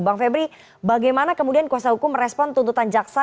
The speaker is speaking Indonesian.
bang febri bagaimana kemudian kuasa hukum merespon tuntutan jaksa